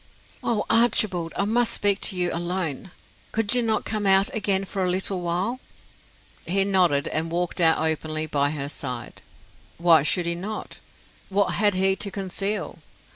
"Oh, Archibald, I must speak to you alone! Could you not come out again for a little while?" He nodded, and walked out openly by her side. Why should he not? What had he to conceal?